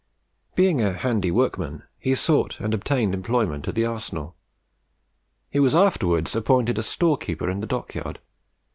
Being a handy workman, he sought and obtained employment at the Arsenal. He was afterwards appointed a storekeeper in the Dockyard.